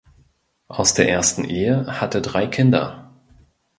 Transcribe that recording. Aus der ersten Ehe hat er drei Kinder.